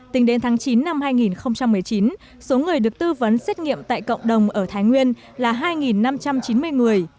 tính đến tháng chín năm hai nghìn một mươi chín số người được tư vấn xét nghiệm tại cộng đồng ở thái nguyên là hai năm trăm chín mươi người